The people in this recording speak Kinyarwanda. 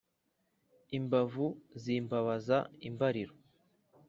imbavu zimbabaza imbariro